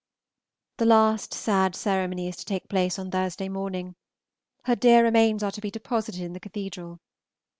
The last sad ceremony is to take place on Thursday morning; her dear remains are to be deposited in the cathedral.